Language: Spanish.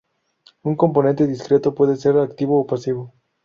Un componente discreto puede ser activo o pasivo.